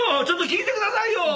ちょっと聞いてくださいよ。